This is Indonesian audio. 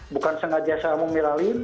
bukan sengaja saya memiralin